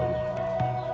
aku sudah tidak sabar